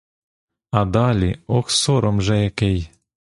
А далі — ох сором же який!